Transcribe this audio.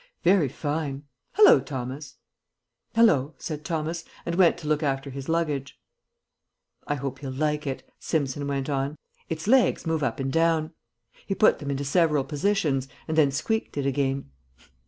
"Very fine. Hallo, Thomas!" "Hallo!" said Thomas, and went to look after his luggage. "I hope he'll like it," Simpson went on. "Its legs move up and down." He put them into several positions, and then squeaked it again.